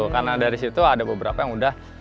karena dari situ ada beberapa yang sudah